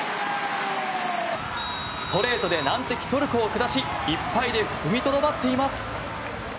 ストレートで難敵トルコを下し１敗で踏みとどまっています。